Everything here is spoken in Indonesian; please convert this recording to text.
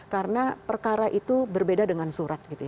karena perkara itu berbeda dengan surat